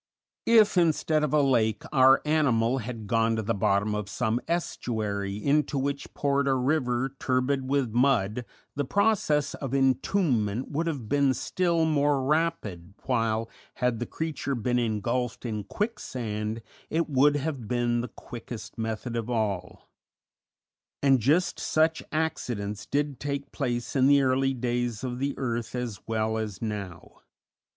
If, instead of a lake, our animal had gone to the bottom of some estuary into which poured a river turbid with mud, the process of entombment would have been still more rapid, while, had the creature been engulfed in quicksand, it would have been the quickest method of all; and just such accidents did take place in the early days of the earth as well as now.